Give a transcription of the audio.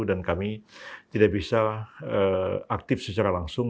dan kami tidak bisa aktif secara langsung